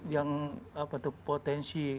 yang apa tuh potensi